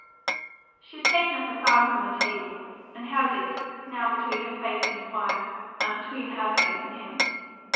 She had taken up a fan from the table, and held it, now between her face and the fire, and now between her face and him.